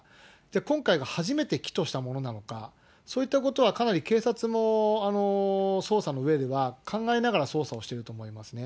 今回が初めて企図したものなのか、そういったことはかなり警察も捜査のうえでは、考えながら捜査をしてると思いますね。